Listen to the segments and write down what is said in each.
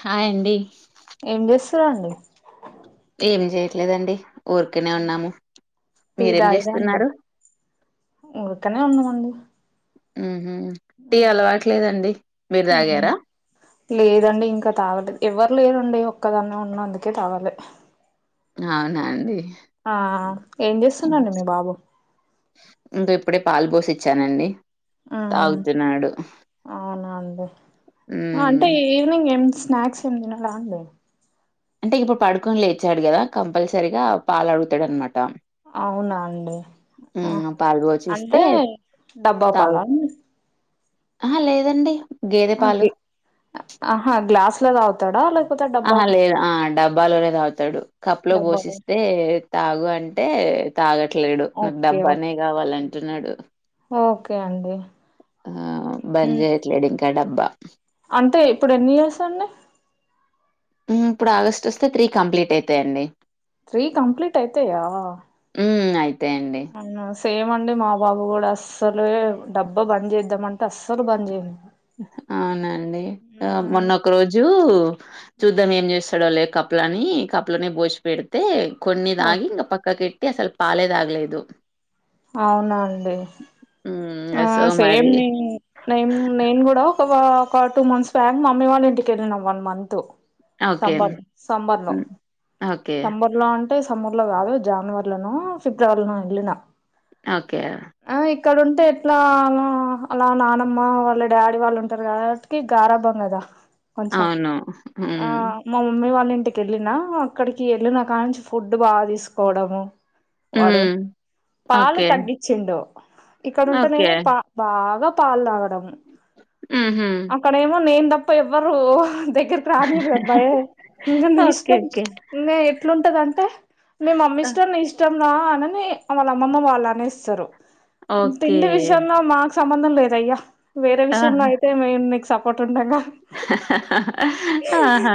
Hi అండి ఏం చేస్తార అండి ఏం చేయట్లేదండి ఊరికనే ఉన్నాము టీ మీరేం తాగిరా అండి చేస్తున్నారు. ఊరికనే ఉన్నామండి ఊహు టీ అలవాటులేదండి మీరు అవునా తాగారా. లేదండి ఇంకా తాగలే ఎవ్వరు లేరండి ఒక్కదాన్నే ఉన్నా అందుకే తాగలే. అవునాండి అండి ఆ ఏం చేస్తున్న్ అండి మీ బాబు అంటే ఇప్పుడే పాల్ బోసి ఇచ్చానండి ఆ తాగుతున్నాడు అవునా అండి ఆ ఉమ్ అంటే. ఈవినింగ్ ఏం స్నాక్స్ ఏం తినడా అండి. అంటే ఇప్పుడు పడుకొని లేచాడు గదా కంపల్సరీగా పాలు అడుగుతడు అన్మాట. అవునా అండి ఆ పాలు పోసిస్తే అంటే డబ్బా పాలా అండి. అహా లేదండి గేదె పాలు. అంతే ఆహా గ్లాస్ లో తాగుతడా లే ఆహా లేదు ఆ డబ్బాలోనే తాగుతడు కప్పులో డబ్బా పోషిస్తే తాగు అంటే. తాగట్లేడు నాకు ఓకే ఓకే డబ్బానే కావాలంటున్నాడు. ఓకే అండి ఆ మ్మ్ బంజేయట్లేడు ఇంకా డబ్బా. అంటే ఇప్పుడు ఎన్ని ఇయర్స్ అండి. ఊ ఇప్పుడు ఆగస్ట్ వస్తే త్రీ కంప్లీట్ అయితయిండి. త్రీ కంప్లీట్ అయితయా ఊ అయితయి అండి సేమ్ అండి మా బాబు గూడా అస్సలే డబ్బా బంద్ చేద్దాంమంటే అస్సలు బంద్ చేయనియడు. అవునా అండి మొన్న ఒక రోజూ. చూద్దాం ఏం చేస్తాడో లే కప్పులా అనీ కప్పులనే బోసి పెడితే. కొన్ని ఓ తాగి ఇంగ పక్కకి పెట్టి అసలు పాలే తాగలేదు. అవునా అండి ఊ ఇంగ సో మరి నేం నేను గూడా ఒక వా ఒకా టూ మంత్స్ బ్యాక్ మమ్మీ వాళ్ళ ఇంటికి వెళ్ళిన one month. Okay summer summer లో హ్మ్. ఓకే సమ్మర్ లో అంటే సమ్మర్ లో గాదు జనవరిలోనో ఫిబ్రవరిలోనొ ఎళ్ళినా. ఓకే అహ ఇక్కడ ఉంటే ఇలా అలా అలా నానమ్మ వాళ్ళ డాడీ వాళ్ళు ఉంటారు కాబట్టికి గారాబం కదా కొంచం అవును ఆ హ్మ్ మా మమ్మీ వాళ్ళ ఇంటికి వెళ్ళినా అక్కడికి వెళ్ళినా కానుంచి ఫుడ్ బాగా తీసుకోవడము వాడు హ్మ్ పాలు ఓకే తగ్గించిండు ఇక్కడ కే బాగా పాలు తాగడం ఉహు అక్కడేమో నేను తప్ప ఎవ్వరు దగ్గరకి రానియరు భయం ఇంగ నీ ఓకే ఇష్టం ఓకే ఇంగ ఎట్లుంటదంటే మీ మమ్మీ ఆ! ఇష్టం నీ ఇష్టం రా అనని వాళ్ళ అమ్మమ్మ వాళ్ళు అనేస్తారు ఓకే తిండి విషయంలో మాకు సంబంధం లేదయ్యా వేరే విషయంలో అయితే మేము నీకు సపోర్ట్ ఉంటంగానీ హ హ హా ఆహ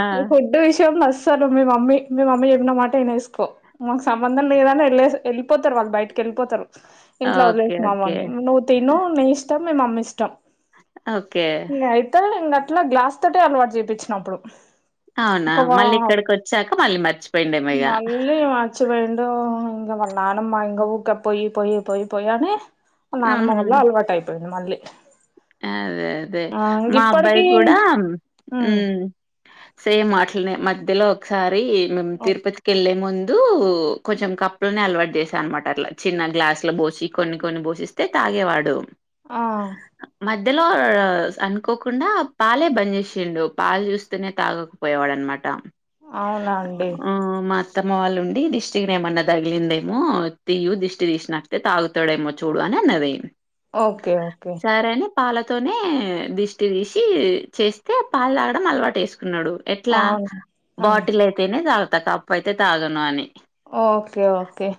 తిండి విషయంలో అసలు మీ మమ్మీ మీ మమ్మీ చెప్పిన మాట వినేసుకో మాకు సంబంధం లేదని వెళ్లేసి వే పోతారు వాళ్ళు బయటకి వెళ్ళిపోతారు ఇంట్లో ఓకే. వదిలేసీ ఓకే. మమ్మల్ని నువ్వు తిను నీ ఇష్టం మీ మమ్మీ ఇష్టం ఓకే. ఇగ అయి త అట్లా గ్లాస్ తోటి అలవాటు చేపించినప్పుడు అవునా మళ్ళీ ఇక్కడికి వచ్చాక మళ్ళీ మర్చిపోయిండో ఏమో ఇగ మళ్ళీ మర్చిపోయిండు ఇంగ వాళ్ళ నాయినమ్మా ఇంగ ఊక పోయి పోయి పోయి పోయి అని వాళ్ళ నాయినమ్మా హుహు. వల్ల అలవాటు అయిపోయిది మళ్ళీ అదే అదే ఆ ఇంగ మా అబ్బాయి ఇప్పటికీ కూడా ఉ ఉమ్ సేమ్ అట్లనే మధ్యలో ఒకసారి మేము తిరుపతి వెళ్లే ముందు కొంచెం కప్పులని అలవాటు చేసా అనమాట అట్లా చిన్న గ్లాసుల పోసి కొన్ని కొన్ని పోసి తే తాగేవాడు ఆ మధ్యలో అనుకోకుండా పాలే బంద్ చేసిండు పాలు చూస్తేనే తాగ పోయేవాడు అన్నమాట అవునా అండి ఆ అత్తమా వాళ్ళు ఉండి దిష్టికి ఏమన్నా తగిలిందేమో తీయు దిష్టి తీసినట్లే తాగు తాగుతాడేమో చూడు అని అన్నది ఓకే ఓకే సరే అని పాలతోనే దిష్టి తీసి చేస్తే పాలు తాగడం అలవాటు చేసు తున్నాడు ఎట్లా అవును ఆ బాటిల్ అయితేనే తాగుతా కప్పు అయితే తాగను అని ఓకే ఓకే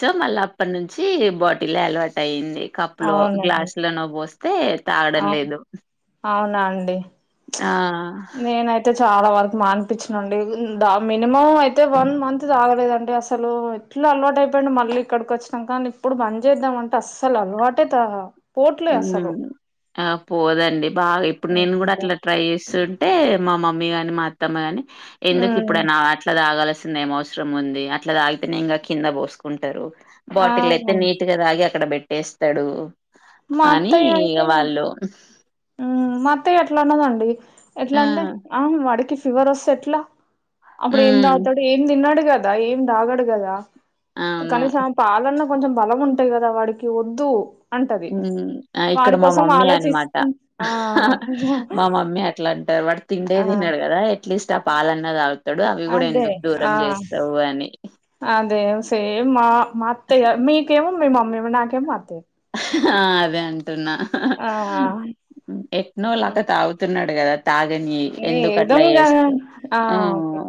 సో మళ్ళీ అప్పటి నుంచి బాటిలే అలవాటు అయింది కప్పు లో అవునండి గ్లాస్ బోస్తే అవు అవునాండి ఆ నేనైతే అయితే చాలా వరకు మానిపించినండి దా మినిమం అయితే వన్ మంత్ తాగలేదండి అసలు ఎట్లా అలవాటయిపోయిండు మళ్ళీ ఇక్కడికి వచ్చినాం కానీ ఇప్పుడు బద్ చేద్దామంటే అస్సలు అలవాటే పోట్లే అసలు ఆ పోదండి బాగా ఇప్పుడు నేను కూడా ఉమ్ అట్లా ట్రై చేస్త అంటే మా మమ్మీ గాని మా అత్తమ్మ గాని ఎందుకు ఇప్పుడు అయినా అట్లా తాగాల్సింది ఏం అవసరం ఉంది అట్లా తాగితేనే ఇంకా కింద పోసుకుంటారు ఆ బాటిల్ అయితే నీ ఇగ తాగి అక్కడ పెట్టేస్తడు మా అని అత్తయ్య ఇగ అయితే వాళ్ళు మా అత్తయ్య అట్లా అన్నదండి ఎట్లా ఆ అంటే ఆ వాడికి ఫీవర్ వస్తే ఎట్లా అప్పుడు ఏం హ్మ్ తాగుతాడు ఏం తిన్నడు కదా ఏం తాగాడు కదా అవును కనీసం పాలన్న కొంచెం బలం ఉంటాయి కదా వాడికి వద్దు అంటది హ్మ్ ఆ ఇక్కడ వాడి మా కోసం మమ్మీ ఆలోచిస్త అన్నమాట మా మమ్మీ అట్లా అంటారు వాడు తిండే ఆ తిన్నారు కదా [unintelligible] ఆ పాలన్న తాగుతాడు అవి కూడా అదే ఎందుకు దూరం చేస్తావు అని ఆ అదే సేమ్ మా అత్తయ్య మీకేమో మీ మమ్మీ నాకేమో మా అత్తయ్య ఆ అదే అంటున్నా ఆ ఎట్లో అట్లా తాగుతున్నాడు కదా తాగనియీ ఎందుకు అట్లా ఏదోంగా చేస్తవ్ ఆ ఓకే ఉమ్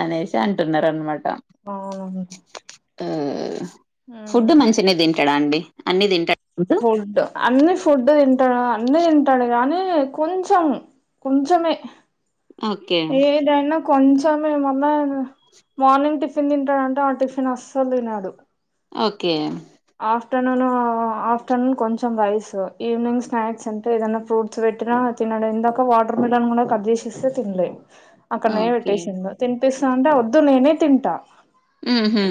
అనేసి అంటున్నారు అనమాట అవును ఉమ్ ఫుడ్ మంచిగనె తింటాడండి అన్ని తింటాడు ఫుడ్ అన్ని ఫుడ్ తింటాడు అన్ని తింటాడు కానీ కొంచం కొంచమే ఓకే ఎదైనా కొంచం ఎమన్నా మార్నింగ్ టిఫిన్ తింటాడంటే ఆ టిఫిన్ అసలు తినడు ఓకే ఆఫ్టర్నూన్ ఆఫ్టర్నూన్ కొంచెం రైస్ ఈవినింగ్ స్నాక్స్ అంటే ఏదైనా ఫ్రూట్ ఫ్రూప్ట్స్ పెట్టినా తినడు ఇందాక వాటర్ మిల్లన్ కూడా కట్ చేసిస్తే తినలే అక్కడనే ఓకే పెట్టేసిండు తినిపిస్తా అంటే వద్దు నేనే తింటా ఊహూ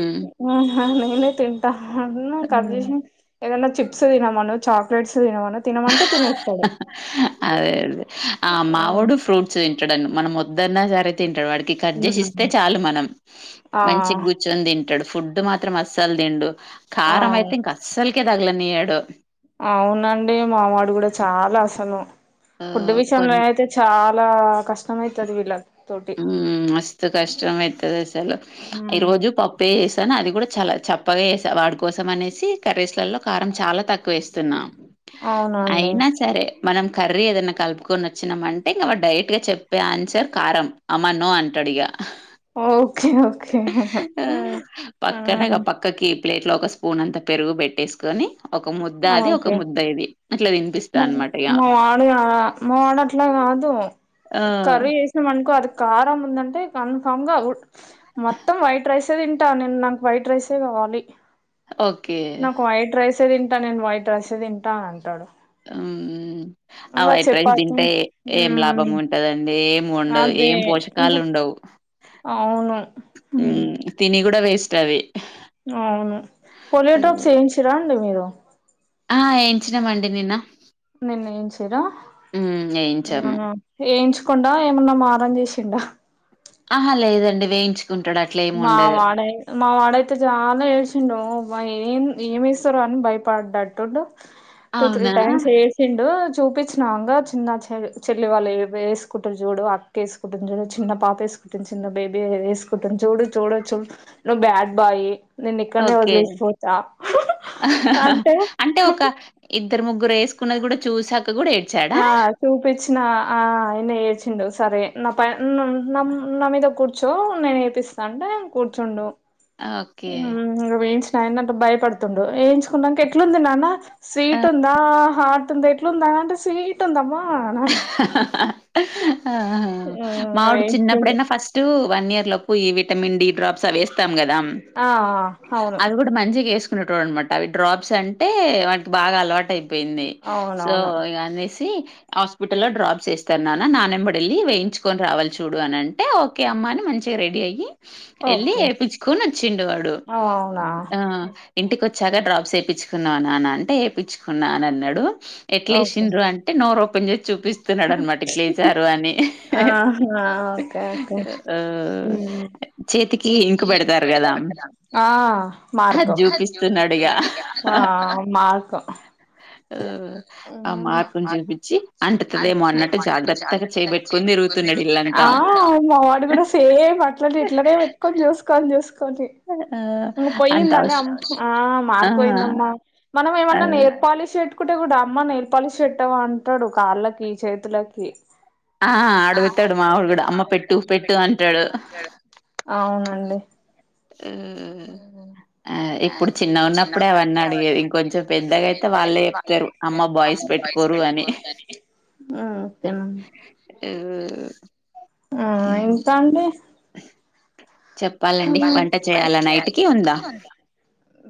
ఆహ నేనే తింటా అన్ని కట్ చేసి ఏదన్నా చిప్స్ తినమను చాక్లెట్స్ తినమను తినమంటే తినేస్తాడు అదే ఆ మావోడు ఫ్రూట్ తింటాడు మనం వద్దన్న సరె తింటడు వాడికి కట్ చేసి ఇస్తే చాలు మనం ఆ మంచిగ కూర్చొని కుర్చొని తింటాడు ఫుడ్ మాత్రం అసలు తిండు ఆ కారం అయితే ఇంక అసలకే తగలనీయ్యాడు అవునండి మావాడు కూడా చాలా అసలు ఫుడ్ ఆహ్, కొన్ విషయంలో ఐతే చాలా కష్టమయితది వీళ్ళక్ ఉమ్ మస్తు కష్టం అయితది అసలు ఈ ఉమ్ రోజు పప్పు పపే ఏసాను అది కూడా చాలా చప్పగా వేసా వాడి కోసం అనేసి కర్రీస్ లలో కారం చాలా తక్కువ వేస్తున్నా అవునండి అయినా సరే మనం కర్రీ ఏదైనా కలుపుకొని వచ్చినాం అంటే వాడు డైరెక్ట్ గా చెప్పే ఆన్సర్ కారం అమ్మ నో అంటడు ఇగ ఓకే ఓకే హ అ కుక్క కీ ప్లేట్ లో ఒక స్పూన్ అంత పెరుగు పెట్టేసుకొని ఒక ముద్ద అది ఒక ముద్ద ఇది అట్ల తింటా మరి మా మావాడు మావాడు అట్లా కాదు ఆ మనుకో అది కారం ఉందంటే కన్ఫామ్ గా మొత్తం వైట్ రైసే తింటా నేను నాకు వైట్ రైసే కావాలి ఓకే నాకు వైట్ రైసే తింటా నేను వైట్ రైసే తింటా అంటాడు ఉమ్ ఆ ఇంగ వైట్ రైస్ చపాతి తింటే ఏం లాభం మ్మ్ ఉంటదండి ఏం ఉండదు అదే ఏం ఇంక పోషకాలు ఉండవు అవును హ్మ్. ఉమ్ తిని కూడా వేస్ట్ అవి అవును పోలియో హ్మ్. డ్రాప్స్ వేయించరా అండి మీరు ఆ ఎంచినమండి నిన్న నిన్న ఏంచీరా హ్మ్ ఏయించాము. నిన్ననే ఏయించకుండా ఏమన్నా మారం చేసిండా? ఆహా లేదండి, వేయించు మా వాడై మా వాడైతే చాలా ఏడ్చిండు అబ్బ ఏం ఏమి ఏస్తరో అని భయపడ్డటుండు. టు త్రీ అవునా? టైమ్స్ ఏస్ చిండు చూపించినంగా చిన్న చె చెల్లి వాళ్ళు వేసుకుంటురు చూడు ఆ ఏసుకుంటుంది చూడు చిన్న పాప వేసుకుంటుంది చిన్న బేబీ ఏసుకు టుంది చూడు చూడొచ్చు నువ్వు బ్యాడ్ బాయ్ నిన్ను ఇక్కడనే ఓకే. వదిలేసిపోత అంటే అంటే ఒక ఇద్దరు ముగ్గురు వేసుకున్నది కూడా చూసాక కూడా ఏడు ఆ చూపిచ్చిన ఆ ఆయినా ఏడ్చిండు సరే నా ప నా మీద కూర్ ర్చో నేను ఏపిస్తా అంటే కూర్చుండు ఓకే. వేయించినాయన భయపడుతుండు ఏయించి కున్నాక ఎట్లుంది నాన్న స్వీట్ ఉందా హాట్ ఉందా ఎట్లుందా అంటే స్వీట్ ఉందమ్మా అన ఆహా హ్మ్. మావోడు వేయించుకుండు. చిన్నప్పుడైనా ఫస్ట్ టు వన్ ఇయర్ లోపు ఈ విటమిన్ డి డ్రాప్స్ అవి వేస్తాం కదా ఆ ఆ అవును మంచిగ ఏసుకునేటోడు అనమాట అవి డ్రాప్స్ అంటే వానికి బాగా అలవాటయి పోయింది సో అవునవును. ఇగ అనేసి హాస్ప్ పిటల్లో డ్రాప్ చేస్తారు నాన్న నానెంబడి వెళ్ళి వేయించుకొని రావాలి చూడు అని అంటే ఓకే అమ్మ అని మంచిగా రెడీ అయ్యి ఎళ్ళి ఓకే. ఏపిచ్చుకొని వచ్చిండు వాడు అవునా! ఆ ఇంటికి వచ్చాక డ్రాప్స్ వేపించుకున్నావ నాన్న అంటే వేయించుకున్నా అని అన్నడు ఎట్ల ఓకే. ఏసిండ్రు అం టే నోరు ఓపెన్ చేసి చూపిస్తున్నాడు అన్నమాట ఇట్లేసారు అని ఆహా ఓకే ఓకే ఆహ్, ఉమ్, ఇంకు చేతికి ఇంక్ బెడతారు గదా! పెడతారంటగా ఆ అది మార్క్, జూపిస్తున్నాడిగ. ఆ మార్క్ ఉమ్ ఆ మార్కుని చూపించి చేయబెట్టుకొని తిరుగుతున్నాడు ఇల్లంతా. ఆ మావాడు కూడా సేమ్ అ మళ్ళీ ఇట్లనే పెట్కోని చూస్కోని చూస్కోంటి ఆ! ఇంక అంత పోయిందని అవష్ అ మ ఆ ఆ! మార్క్ పోయిందమ్మా మనం ఏమన్నా అదే. నెయిల్ పాలిష్ ష్ పెట్టుకుంటే కూడా అమ్మ నేల్పాలిష్ వెట్టావా అంటడు కాళ్ళకి చేతులకి ఆ అడుగుతడు మావోడు కూడా అమ్మ పెట్టు పెట్టు అంటడు. ఔనండి ఆహ్ ఉమ్ ఆ ఇప్పుడు చిన్నగ ఉన్నప్పుడే అవన్నీ అడిగేది ఇంకొంచెం పెద్దగైతే వాళ్ళే టరు అమ్మ బాయ్స్ పెట్టుకోరు అని ఓకేనండి ఉమ్ ఉమ్ ఎంతాండి? చెప్పాలండి వంట చేయాలా నైటుకి, ఉందా?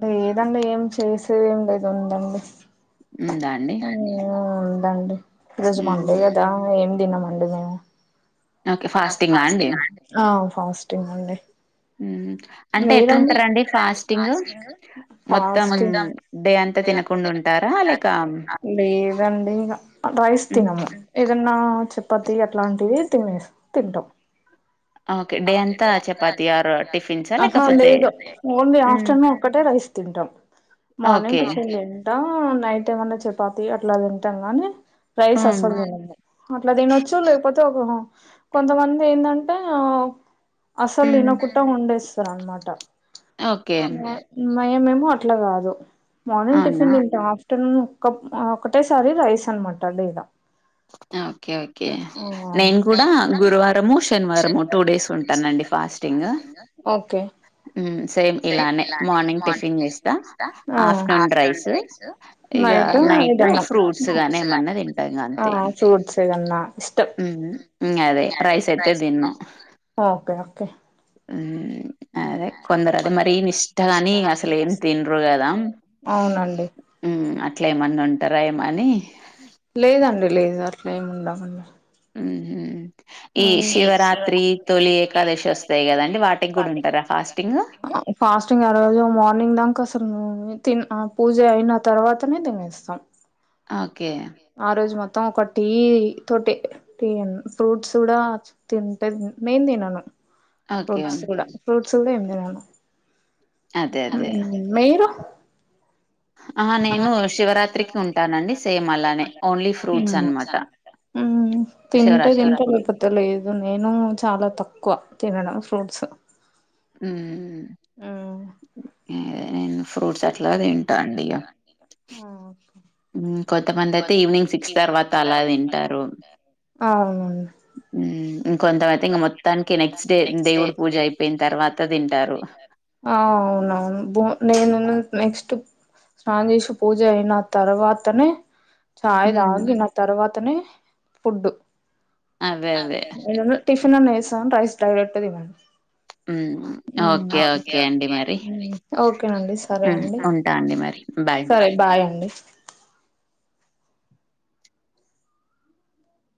లేదండి ఏం చేసేదేం లేదు, ఉందండి. ఉందాండీ ఊ ఉందండి, ఈరోజు హ్మ్. మండే గదా ఏం తినమండి మేము ఓకే ఆ ఫాస్టింగా అండి ఫాస్టింగ్ అండి ఉమ్ అంటే ఎట్లుంటరండి ఫాస్టింగ్ మొత్తం డే అంతా తినక అండి ఇదండి ఇగా రైస్ హ్మ్. తినము ఏదన్నా చపాతి అట్లాంటివి తినేస్ తింటాం ఓకే డే అంతా చపాతి ఆర్ టిఫిన్సా ఆహా లేకపోతే లేదు ఓన్లీ హ్మ్. ఆఫ్టర్నూన్ ఒక్కటే రైస్ తింటం మార్నింగ్ ఓకే టిఫిన్ చేయ్ టా నైట్ ఏమన్నా చపాతి అట్లా తింటాం గాని రైస్ హ్మ్. అస్సలు తినము అట్లా తినొచ్చు లేకపోతే ఒక కొంతమంది ఏందంటే అస్సలు హ్మ్. తినకుట్ట వండేస్తారన్మాట ఓకే మేమేమో అట్లగాదు మార్నింగ్ అవునా టిఫిన్ తింటాం ఆఫ్ టర్నూన్ ఒక్కప్ ఒకటేసారి రైస్ అన్మాట డే ల ఓకే ఓకే ఆ! నేన్కూడా గురువారము శనివారము టూ డేస్ టూ డేస్ ఉంటానండి ఫాస్టింగు మ్మ్ సేమ్ ఇలానే మార్నింగ్ టిఫిన్ చేస్తా ఆఫ్టర్నూన్ రైసు ఇగ నైటిగ నైట్ నైటు ఫ్రూట్స్ ఏమన్నా గాని తింటా ఏమన్న తింటామండి మ్మ్ ఇంగదే రైసైతే తిన్ను ఓకే ఓకే మ్మ్ అదే కొందరదీ మరీ నిష్టగాని అస్సలేం తిన్రు గదా అవునండి మ్మ్ అట్లేమన్నా ఉంటార ఏమని లేదండి లేదు అట్లేం ఉండమండి మ్మ్ హు ఈ శివరాత్రి తొలి ఏకాదశి ఒస్తై కదండి వాటిగ్గూడా ఉంటారా ఫాస్టింగ్ ఫాస్టింగ్ ఆరోజు మార్నింగ్దాంకా అసలు మమ్మీ పూజైన తర్వాతనే తినేస్తాం ఓకే ఆ రోజు మొత్తం ఒక టీ తోటె టీన్ ఫ్రూట్స్ కూడా తింటెం నేన్ తినను ఓకే. ఫ్రూట్స్ గూడ ఫ్రూట్స్ గూడ ఏం తినను అదే. అదే. అహ నేను శివరాత్రికి ఉంటానండి సేమ్ అలానే ఓన్లీ ఫ్రూట్స్ అన్మాట మ్మ్ తింటే తింట లేకపో లేకపోతేలేదు నేను చాలా తక్కువ తినడం ఫ్రూట్స్ మ్మ్ హ్మ్. ఏదైన ఫ్రూట్స్ అట్ ఫ్రూట్స్ ఎక్కువ తింటా అండి ఇగా మ్మ్ కొంతమంధైతే ఈవినింగ్ సిక్స్ తర్వాత అలా తింటారు అవునం మ్మ్ ఇంకొంతమయితే ఇంగ మొత్తానికి నెక్స్ట్ డే దేవుడు పూజ అయిపోయిన తర్వాత తింటారు అవునవును బోద నేను నెక్స్ట్ స్నానం చేసి పూజయిన తర్వాతనే చాయ్ హ్మ్. తాగినక్ తర్వాతనే ఫుడ్డు అవే. అవే. టిఫిన్ అన్న ఎస్తావని రైస్ డైరెక్ట్ తినండి హ్మ్. మ్మ్ ఓకే. ఓకే అండి మరి. ఓకేనండి సరే సరే హ్మ్. అండి ఉంటా అండి మరి. బాయ్. సరే బాయండి